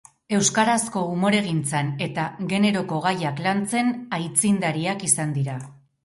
Euskarazko umoregintzan eta generoko gaiak lantzen aitzindariak izan dira.